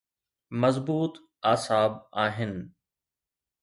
مضبوط اعصاب آهن.